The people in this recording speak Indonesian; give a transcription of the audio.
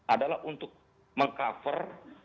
adalah untuk meng cover